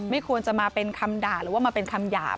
ควรจะมาเป็นคำด่าหรือว่ามาเป็นคำหยาบ